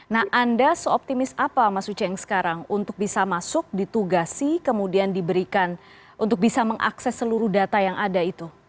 nah anda seoptimis apa mas uceng sekarang untuk bisa masuk ditugasi kemudian diberikan untuk bisa mengakses seluruh data yang ada itu